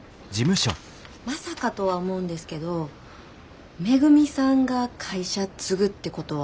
まさかとは思うんですけどめぐみさんが会社継ぐってことは。